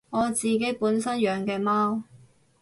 我自己本身養嘅貓